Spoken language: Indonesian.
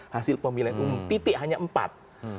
hasil pemilihan umum titik hanya empat